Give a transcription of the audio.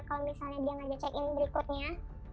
kalau misalnya dia ngejar check in berikutnya